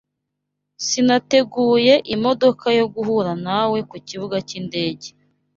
[S] Nateguye imodoka yo guhura nawe kukibuga cyindege.